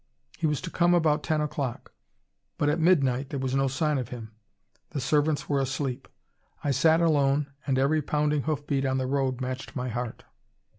"He was to come about ten o'clock. But at midnight there was no sign of him. The servants were asleep. I sat alone, and every pounding hoof beat on the road matched my heart.